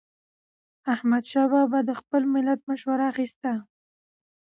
احمدشاه بابا به د خپل ملت مشوره اخیسته.